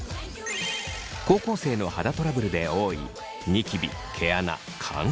高校生の肌トラブルで多いニキビ毛穴乾燥。